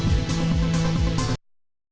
terima kasih silvana sudah gabung